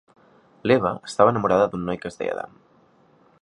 L'Eva estava enamorada d'un noi que es deia Adam.